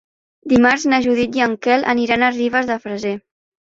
Dimarts na Judit i en Quel aniran a Ribes de Freser.